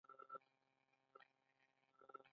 کور ډیر زوړ او ویجاړ و.